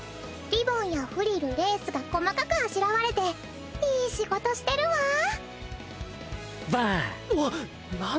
リボンやフリルレースが細かくあしらわれていい仕事してるわ。